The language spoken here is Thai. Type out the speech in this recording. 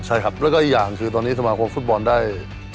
ใช่ครับแล้วก็อีกอย่างคือตอนนี้สมาคมฟุตบอลได้